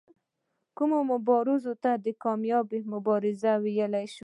کومو مبارزو ته کامیابه مبارزې وویل شي.